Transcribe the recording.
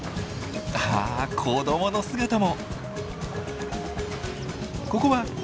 あっ子どもの姿も。